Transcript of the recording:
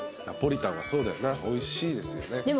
ナポリタンはそうだよなおいしいですよね。